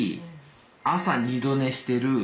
朝二度寝してる。